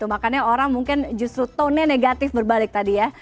makanya orang mungkin justru tone nya negatif berbalik tadi ya